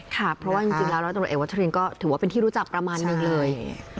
ค่ะเพราะว่าจริงแล้วร้อยตำรวจเอกวัชรินก็ถือว่าเป็นที่รู้จักประมาณนึงเลย